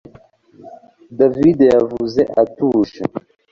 David yavuze atuje